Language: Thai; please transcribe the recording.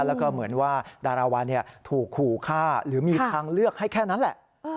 แล้วก็เหมือนว่าดาราวันถูกขู่ฆ่าหรือมีทางเลือกให้แค่นั้นแหละ